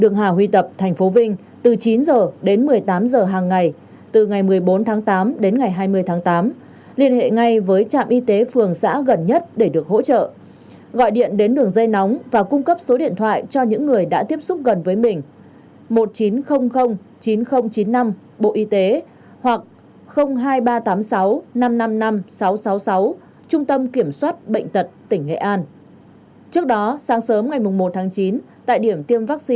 những ai từng đến điểm tiêm chủng trường tiêm chủng thành phố vinh từ chín h đến một mươi h ngày một tháng chín